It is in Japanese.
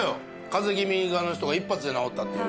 風邪気味の人が一発で治ったっていう。